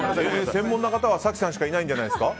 専門の方は早紀さんしかいないんじゃないですか。